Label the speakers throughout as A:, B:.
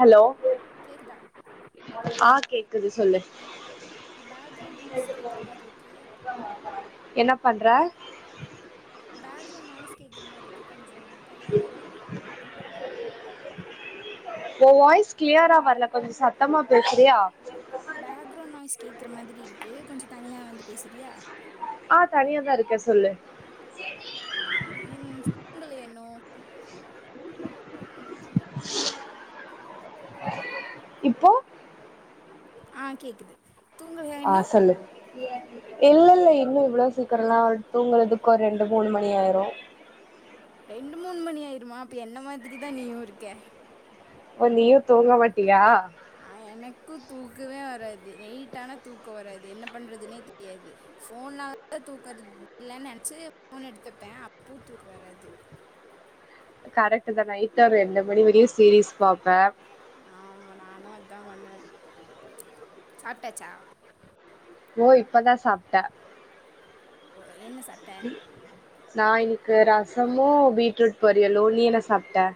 A: Hello
B: கேட்குதா
A: ஆ கேக்குது சொல்லு
B: பேக்ரவுண்ட் நாஸ் கேக்ற மார்ருக்கு
A: என்ன பண்ற
B: பேக்ரௌண்ட் நாய்ஸ் கேக்ற மார்ருக்கு கொஞ்சோ தனியா வரியா
A: உ வாய்ஸ் கிளியரா வர்ல கொஞ்சோ சத்தமா பேசுறியா
B: பேக்ரௌண்ட் நாய்ஸ் கேக்ற மாதிரி இருக்கு கொஞ்சோ தனியா வந்து பேசுறியா
A: ஆ தனியா தா இருக்க சொல்லு
B: ஆ இன் தூங்களயா இன்னு
A: இப்போ
B: ஆ கேக்குது தூங்கலையா
A: ஆ
B: இன்னு
A: சொல்லு இல்ல இல்ல இன்னு இவ்ளோ சீக்கிரோல்லா தூங்கரதுக்கு ஒரு ரெண்டு மூணு மணி ஆயிரு
B: ரெண்டு மூணு மணி ஆயிருமா அப்ப என்ன மாதிரி தா நீயு இருக்க
A: ஓ நீயு தூங்க மாட்டியா
B: நா எனக்கு தூக்கமே வராது நைட்டான தூக்கோ வராது என்ன பண்றதுனே தெரியாது ஃபோன்நாலதா தூக்கோ வரதில்லனு நெனச்சு ஃபோன் எடுத்துப்பே அப்பவு தூக்கோ வராது
A: கரெக்ட்டு தா நைட்டு ஒரு ரெண்டு மணி வரையு சீரீஸ் பாப்பே
B: ஆமா நானு அத்தா பண்ணுவே சாப்ட்டாச்சா
A: ஓ இப்பதா சாப்ட்ட
B: ஓ, என்ன சாப்பிட்ட
A: நா இன்னிக்கி ரசமு பீட்ரூட் பொரியலு நீ என்ன சாப்ட்ட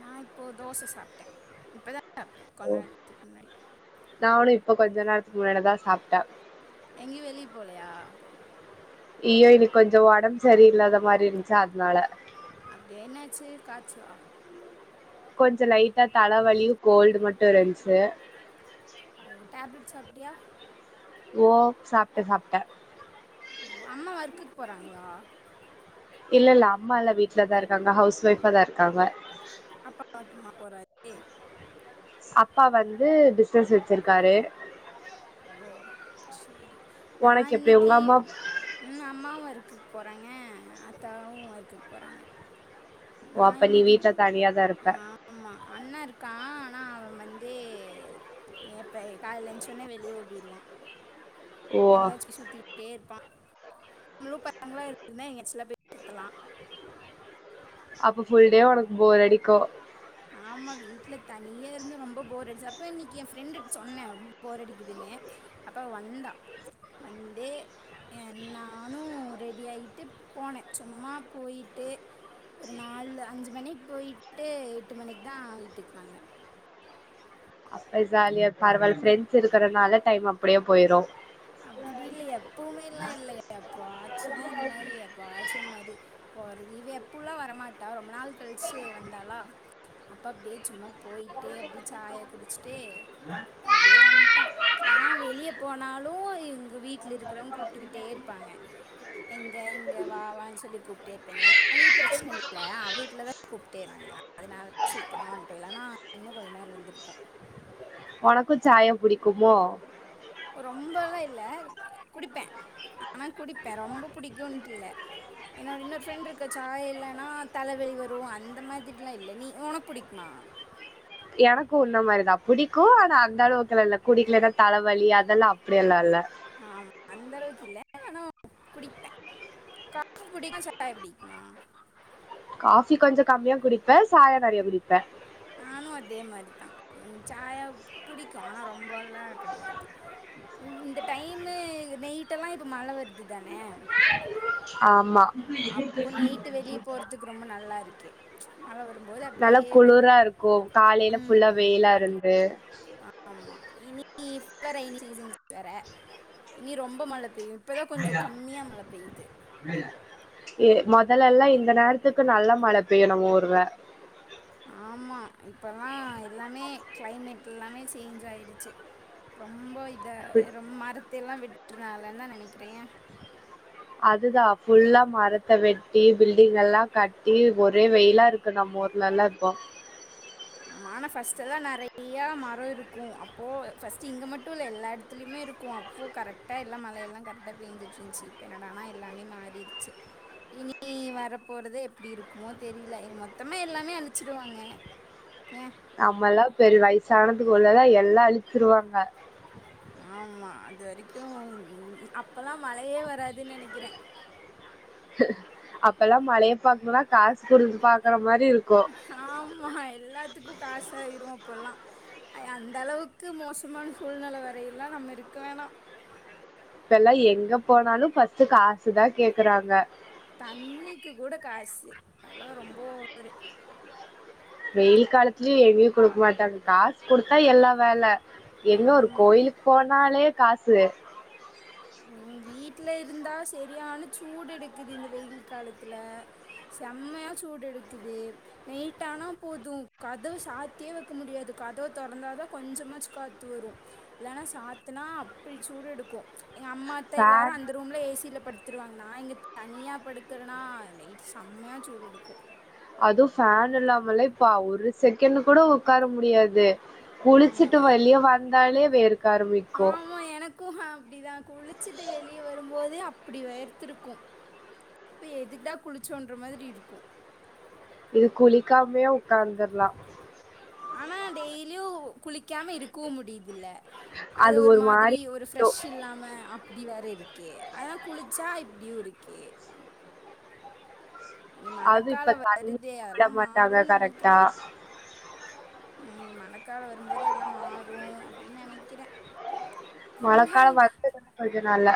B: நா இப்போ தோச சாப்ட்டே இப்ப தா சாப்ட்டே கொன்நேரத்துக்கு முன்னாடி
A: நானு இப்போ கொஞ்சோ நேரத்துக்கு முன்னாடி தா சாப்ட்டே
B: எங்கெயு வெளிய போலயா
A: இய்யோ இன்னிக்கி கொஞ்சோ ஒடம்பு சரியில்லாத மாரி இருந்துச்ச அதுனால
B: அப்டியா என்னாச்சு காச்சலா
A: கொஞ்ச லைட்டா தலவலி கோல்டு மட்டு இருந்துச்சு
B: ஓ டேப்லெட் சாப்டியா
A: ஓ சாப்டே சாப்டே
B: அம்மா ஒர்க்குக் போறாங்களா
A: இல்ல இல்ல அம்மால்லா வீட்லதா இருக்காங்க ஹவுஸ் ஒய்ஃபா தா இருக்காங்க
B: அப்பா மட்டுமா போறாரு
A: அப்பா வந்து பிஸ்னஸ் வெச்சிருக்காரு
B: ஓ சேரி நா
A: உனக்கு எப்டி உங்க
B: இன்னிக்கி
A: அம்மா
B: ம் அம்மாவு ஒர்க்குக் போறாங்க அத்தாவு ஒர்க்குக் போறாங்க
A: ஓ
B: நா
A: அப்ப நீ
B: இன்னிக்கி
A: வீட்ல தனியாதா இருப்ப
B: ஆ ஆமா அண்ணா இருக்கா ஆனா அவ வந்து எப்ப காலைல எந்துசோனே வெ வெளிய ஓடிறுவா
A: ஓ
B: எங்கயாச்சு சுத்திட்டே இருப்பா [unintelligible]
A: அப்ப ஃபுல்டே உனக்கு போர் அடிக்கு
B: ஆமா வீட்ல தனியா இருந்து ரொம்ப போர் அடிச்சு அப்ப இன்னிக்கி ஏ ஃப்ரெண்டு சொன்னே ரொம்ப போர் அடிக்குதுன்னு அப்ற வந்தா வந்து ஏ நானு ரெடி ஆயிட்டு போனே சும்மா போயிட்டு ஒரு நாலு அஞ்சு மணிக்கி போயிட்டு எட்டு மணிக்கு தா வீட்டுக்கு வந்த
A: அப்ப ஜாலியா பரவாயில் ஃப்ரெண்ட்ஸ் இருக்கறனால டைம் அப்டியே போயிரு
B: அப்டி இல்ல எப்பவுமே எல்லா இல்ல எப்ப ஆச்சுன்னா இந்த மாரி எப்போ ஆச்சு இந்த மாரி போறது இவ எப்புல்லா வரமாட்டா ரொம்ப நாள் கழிச்சு வந்தாளா அப்ப அப்டியே சும்ம போயிட்டே அப்டியே சாய குடிச்சுட்டே அப்டியே வன்ட்டோ ஆனா வெளிய போனா லு எங்க வீட்ல இருக்கிறவங்க கூப்பிட்டுக்கிட்டே இருப்பாங்க எங்க எங்க வாவான்னு சொல்லி கூப்டே இருப்பே ஏ வீட் பிரச்சன இல்ல அவ வீட்ல தா கூப்பிட்டேக்கிறாங்க அதனால சீக்கரமா வந்ட்டோ இல்லனா இன்னு கொஞ்ச நேரோ இருந்துருப்போ
A: ஒனக்கு சாயா புடிக்குமோ
B: ரொம்பல்லா இல்ல குடிப்பே ஆனா குடிப்பே ரொம்ப புடிக்குன்ட்டு இல்ல என்னோட இன்னொரு ஃப்ரெண்ட் இருக்க சாய் இல்லனா தலவலி வரு அந்த மாதிரிலா இல்ல நீ உனக் புடிக்மா
A: எனக்கு உன்ன மாரிதா புடிக்கு ஆனா அந்த அளவுக்குல இல்ல குடிக்கலனா தலவலி அதெல்லா அப்டி எல்லா இல்ல
B: ஆமா அந்தளவுக்கு இல்ல ஆனா குடிப்பே காப்பி புடிக்குமா சாயா புடிக்குமா
A: காபி கொஞ்ச கம்மியா குடிப்ப சாயா நெறைய குடிப்ப
B: நானு அதே மாரிதா என் சாயா புடிக்கு ஆனா ரொம்பல்லா கெடயாது இந்த டைமு நைட்டெல்லா இப்ப மழ வருது தானே
A: ஆமா
B: அப்ப நைட்டு வெளிய போறதுக்கு ரொம்ப நல்லா இருக்கு மழ வரும்போது
A: நல்லா
B: அப்படியே
A: குளுரா
B: வந்து
A: இருக்கு காலையில ஃபுல்லா வெயிலா இருந்து
B: ஆமா இனி இவ் ரெய்னி சீசன்ஸ் வேற இனி ரொம்ப மழ பெய்யு இப்பதா கொஞ்ச கம்மியா மழ பெய்யுது
A: மேய ஏ மொதலெல்லா இந்த நேரத்துக்கு நல்லா மழ பெய்யு நம்ம ஊர்ல
B: ஆமா இப்பல்லா எல்லாமே கிளைமேட் எல்லாமே சேஞ்ச் ஆயிடுச்சு ரொம்ப இத ரொ மரத்த எல்லா விட்டுருனால தா நெனக்கிறே
A: அதுதா ஃபுல்லா மரத்த வெட்டி பில்டிங் எல்லா கட்டி ஒரே வெயிலா இருக்கு க்கு நம்ம ஊருலெல்லா இப்போ
B: ஆமா ஆனா ஃபஸ்ட் எல்லா நெறையா மரோ இருக்கு அப்போ ஃபர்ஸ்ட் இங்க மட்டு இல்ல எல்லா எடத்துலயுமே இருக் க்கு அப்போ கரெக்டாக எல்லா மழையெல்லா கரெக்டாக பெஞ்சிட்டுருந்துச்சு இப்ப என்னடான்னா எல்லாமே மாறிருச்சு இனி வரப்போறது எப்டி இருக்குமோ தெரில மொத்தமா எல்லாமே அழிச்சிடுவாங்க ஏ
A: நம்மல்லா பெரு வயசானதுக்குல்லெல்லா எல்லா அழிச்சிருவாங்க
B: ஆமா அது வரைக்கு அப்பல்லா மழையே வராதுன்னு நெனைக்கற
A: அப்பெல்லா மழைய பாக்ணுனா காசு கொடுத்து பாக்கற மாரி இருக்கு
B: ஆமா எல்லாத்துக்கு காசாயிரு அப்பல்லா அய்ய அந்த அளவுக்கு மோசமான சூழ்நிலை வரையில்லா நம்ம இருக்க வேணா
A: இப்பெல்லா எங்க போனாலு பஃர்ஸ்ட் காசுதா கேக்குறாங்க
B: தண்ணிக்கு கூட காசு அதெல்லா ரொம்ப ஓவரு
A: வெயில் காலத்துலயு எங்கயு கொடுக்க மாட்டாங்க காஸ் கொடுத்தா எல்லா வேலை எங்க ஒரு
B: ஆமா.
A: கோயிலுக்கு போனாலே காசு
B: ம் வீட்டுல இருந்தா செரியான சூடு எடுக்குது இந்த வெயில் காலத்துல செம்மயா சூடு எடுக்குது நைட்டானா போது கதவு சாத்தியே வெக்க முடியாது கதவு தொறந்தாதா கொஞ்சமாச்சு காத்து வரு இலன்னா சாத்துனா அப்டி சூடு எடுக்கு எங்க அம்மா அத்த எல்லாரு
A: ஃபேன்
B: அந்த ரூம்ல ஏசியில படுத்துருவாங்கநா இங்க தனியா படுக்கறனா நைட் செம்மையா சூடெடுக்கு
A: அதுவு ஃபேன் இல்லாமல்ல இப்ப ஒரு செகண்ட் கூட உக்கார முடியாது
B: ஆமா
A: குளிச்சுட்டு
B: வே
A: வெளிய வந்தாலே வேர்க்க ஆரம்பிக்கு
B: குஹா அப்டிதா குளிச்சிட்டு வெளிய வரும்போது அ அப்டி வேர்த்துருக்கு இப்போ எதுக்குடா குளிச்சோன்ற மாரி இருக்கு
A: இது குளிக்காமயே உக்காந்தர்லா
B: ஆனா டெய்லியு குளிக்காம இருக்கவு முடியிதுல அது ஒரு மாதிரி ஒரு ஃப்ரெஷ் இல்லாம அப்டி வேற இருக்கு ஓகே அனா குளுச்சா இப்டியு இருக்கே இனி
A: அது
B: மழக்காலொ
A: இப்ப தண்ணி
B: வருதே
A: விட
B: அதலா
A: மாட்டாங்க
B: மாறுன் நெனைக்கிறே
A: கரெக்டா
B: ம் மழக்காலொ வரும்போது எல்லா மாறு அப்டின் நெனக்கிறே
A: மழக்காலொ வந்துரு கொஞ்ச நாள்ல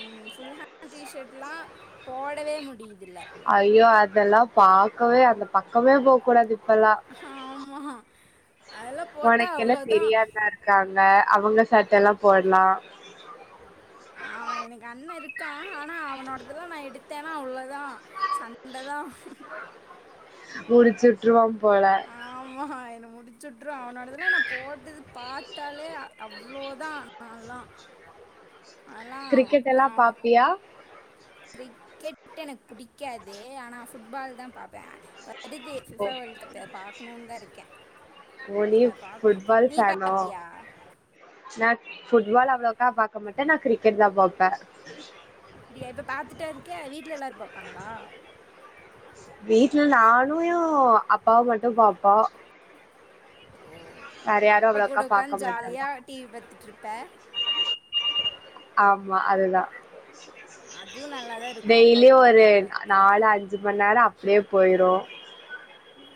B: ம் ஃபுல் ஹேண்ட் டீ ஷர்ட்லா போடவே முடியுதில்ல
A: ஐயோ அதெல்லா பாக்கவே அந்த பக்கமே போக் கூடாது இப்பல்லா
B: ஆமா அதெல்லா போட்டா
A: ஒனக்கென்ன
B: அவ்ளோதா
A: தெரியாதா இருக்காங்க அவுங்க சட்ட எல்லா போடலா
B: ஆ எனக்கு அண்ணெ இருக்கா ஆனா அவனோடதெலா நா எடுத்தேனா அவ்ளோதா சண்ட தா
A: முடுச்சு விட்ருவா போல
B: ஆமா என்ன முடுச்சுட்ருவா அவனோடதுலா நா போட்டது பாத்தாலே அவ்ளோதா அ அதலா அதல்லா
A: கிரிக்கெட் எல்லா
B: அவ
A: பாப்பியா
B: கிரிக்கெட் எனக்கு புடிக்காது ஆனா ஃபுட்பால் தா பாப்பே வருது
A: ஓ
B: ஃபுட்பால் வேல்டு கப்பு பாக்கணுன் தா இருக்கே
A: ஓ நீயு ஃபுட்பால் ஃபேனோ நா ஃபுட்பால் அவ்ளோக்கா பாக்க மாட்டே நா கிரிக்கெட் தா பாப்பே
B: அப்டியா இப்ப பாத்துட்டா இருக்க வீட்ல எல்லாரு பாப்பாங்களா
A: வீட்ல நானு ஏ அப்பாவு மட்டு பாப்போ
B: ஓ
A: வேற யாரு
B: அப்பா கூட
A: அவ்ளோக்கா பாக்க
B: உக்காந்
A: மாட்டாங்க
B: ஜாலியா டி வி பத்துட்ருப்ப
A: ஆமா அதுதா
B: அதுவும் நல்லா தான் இருக்கும் அப்பா
A: டெய்லியு
B: கூட
A: ஒரு
B: உட்காந்து பார்க்கறது
A: நாலு அஞ்சு மண் நேரோ அப்டியே போய்ரு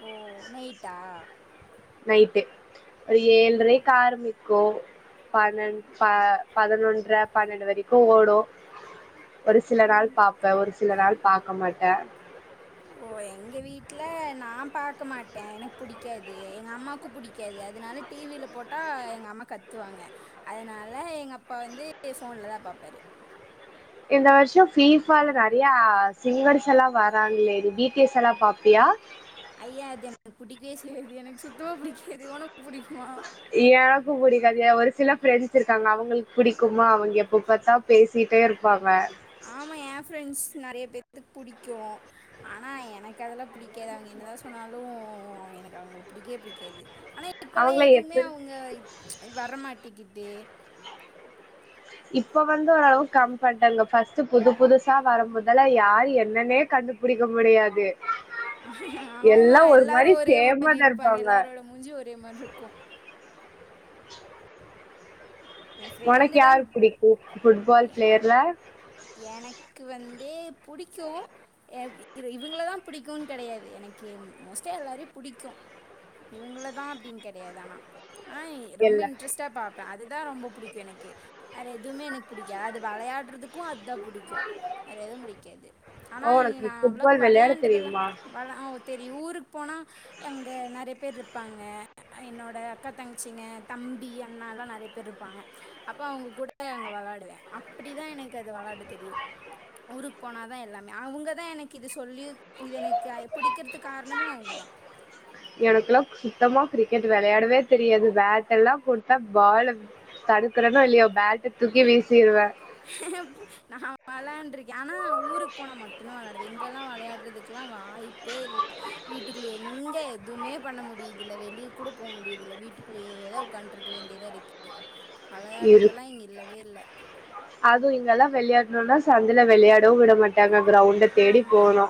B: ஓ நைட்டா
A: நைட்டு ஒரு ஏழ்றைக்கு ஆரம்பிக்கு பன்னெ ப பதுனொன்ற பன்னெண்டு வரிக்கு ஓடு ஒரு சில நாள் பாப்பே ஒரு சில நாள் பாக்க மாட்டே
B: ஓ எங்க வீட்ல நா பாக்க மாட்டே எனக்கு புடிக்காது எங்க அம்மாக்கு புடிக்காது அதுனால டி வி ல போட்டா எங்க அம்மா கத்துவாங்க அதுனால எங்க அப்பா வந்து ஃபோன்ல தா பாப்பாரு
A: இந்த வர்ஷொ ஃபீப்ஃபால நெறயா சிங்கர்ஸ் எல்லா வராங்ளே இது பி டி எஸ் எல்லா பாப்பியா
B: ஐயெ அது எனக்கு புடிக்கவே செய்யாது எனக்கு சுத்தமா புடிக்காது ஒனக்கு புடிக்குமா
A: எனக்கு புடிக்காது ஒரு சில ஃப்ரெண்ட்ஸ் இருக்காங்க அவுங்களுக்கு புடிக்குமா அவுங்க எப்ப பாத்தா பேசிட்டே இருப்பாங்க
B: ஆமா ஏ ஃப்ரெண்ட்ஸ் நெறய பேத்துக்கு புடிக்கு ஆனா எனக்கு அதெல்லா புடிக்காது அவுங்க என்னதா சொன்னாலு அவெ எனக்கு அவுங்கள புடிக்கவே புடிக்காது ஆனா இப்பெல்லா
A: அவங்கள
B: எதுவுமே
A: எப்ப
B: அவுங்க வரமாட்டெக்கிதே
A: இப்ப வந்து ஓரளவுக்கு கம் பண்டாங்க ஃபர்ஸ்ட்டு புது புதுசா வரு முதல்ல யார் என்னனே கண்டு புடிக்க முடியாது
B: ஆமா
A: எல்லாம் ஒரு
B: எல்லாரு
A: மாதிரி
B: ஒரே
A: சேமா
B: மாரி
A: தான்
B: இருப்பாங்க எல்லாரோட மூஞ்சியு ஒரே மாரி இருக்கு என்
A: ஒனக்கு
B: ஃப்ரெண்டு தான்
A: யார் புடிக்கு ஃபுட்பால்
B: எ-
A: ப்ளேயர்ல
B: எனக்கு வந்து புடிக்கு எ இவுங்களதா புடிக்குன்னு கெடையாது எனக்கெ மோஸ்ட்டா எல்லாரையு புடிக்கு இவுங்கள தா அப்டின்னு கெடையாது ஆனா ஆ ரொம்ப
A: இல்ல
B: இன்ட்ரெஸ்ட்டா பாப்பே அதுதா ரொம்ப புடிக்கு எனக்கு வேற எதுமே எனக்கு புடிக்கா அது வெளயாடுறதுக் கு அதுதா புடிக்கு வேற எதுவு புடிக்காது ஆனா
A: "ஓ, உனக்கு
B: நா அவ்ளோக்கு
A: ஃபுட்பால் விளையாட
B: வௌயாண்டுதல்லா
A: தெரியுமா
B: வர்லா ஓ தெரியு ஊருக்கு போனா எங்க நெறைய பேர் இருப் பாங்க என்னோட அக்கா தங்கச்சிங்க தம்பி அண்ணால்லா நெறைய பேர் இருப்பாங்க அப்ப அவுங்க கூட அங்க வெளயாடுவே அப்படிதா எனக் கு அது வெளாட தெரியு ஊருக்கு போனாதா எல்லாம் அவுங்க தா எனக்கு இது சொல்லி இது எனக்கு புடிக்கிறதுக்கு காரணமு அவுங்க தா
A: எனக்கெல்லா சுத்தமா கிரிக்கெட் வெளயாடவே தெரியாது பேட் எல்லா கொடுத்தா பால தடுக்கறன்னோ இல்லையோ பேட்ட தூக்கி வீசிடுவே
B: [inaudible] நா வெளயாண்டு இருக்கே ஆனா ஊருக்கு போன மட் டு தா வெளயாடுவே இங்கெல்லா வெளயாடுறதுக்கெல்லா வாய்ப்பே இல்ல வீட்டுக்குள்ள எங்க எதுவுமே பண்ண முடியதில்ல வெளிய கூட போக முடியதில்ல வீட்டுக்குள்ளயே தா ஒக்காந் துட்டு இருக்க வேண்டியதா இருக்கு அளையாடுறதெல்லா இங்க இல்லவே இல்ல
A: அதுவு இங்கெல்லா வெளயாடனும்னா சந்துல வெளயாடவு விட மாட்டாங்க கிரௌண்ட தேடி
B: ஆமா.
A: போனு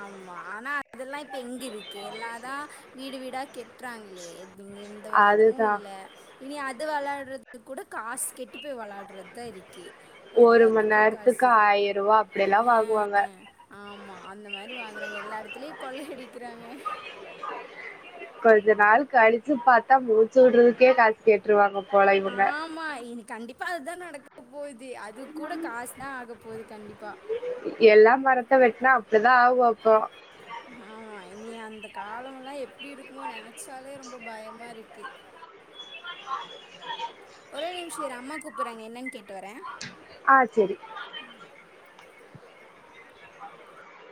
B: ஆமா ஆனா அதெல்லா இப்ப எங்க இருக்கு எல்லாதா வீடு வீடா கெட்றாங்களே எந்த ஒரு எடமு
A: அதுதான்
B: இல்ல இனி அது வெளயாடுறது கூட காசு கெட்டு போய் வௌயாடுறது தா இரிக்கு
A: ஒரு மணி நேரத்துக்கு ஆயரருவா அப்டி எல்லா வாங்குவாங்க
B: அ, ஆமா அந்த மாரி வாங்கிறாங்க எல்லா எடத்துலையு கொள்ளை அடிக்கிறாங்க
A: கொஞ்ச நாள் கழிச்சு பாத்தா மூச்சு வுடுறதுக்கே காசு கேட்டுருவாங்க போல இவுங்க
B: ஆமா இனி கண்டிப்பா அதா நடக்க போகுது அது கூட காஸ் தா ஆகப்போகுது கண்டிப்பா
A: எல்லா மரத்த வெட்னா அப்டிதா ஆகு அப்போ
B: ஆமா இனி அந்த காலம் எல்லா எப்டி இருக்குமோ நெனைச்சாலே ரொம்ப பயமா இருக்கு
A: [unintelligible]
B: ஒரே நிமிஷம் இரு அம்மா கூப்டுறாங்க என்னன்னு கேட்டு வரே
A: ஆ செரி